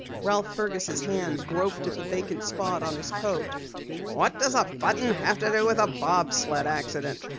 Ralph Fergus' hand groped at the vacant spot on his coat. "What does a button have to do with the bob sled accident?"